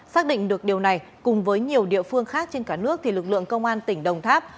xác định được điều này cùng với nhiều địa phương khác trên cả nước thì lực lượng công an tỉnh đồng tháp